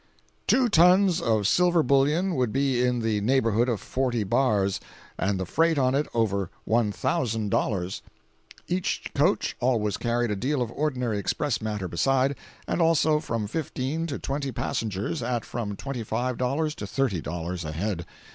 ]] Two tons of silver bullion would be in the neighborhood of forty bars, and the freight on it over $1,000. Each coach always carried a deal of ordinary express matter beside, and also from fifteen to twenty passengers at from $25 to $30 a head.